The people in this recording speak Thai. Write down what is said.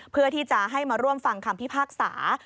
เพื่อที่จะให้มาร่วมฟังคำพิพากษา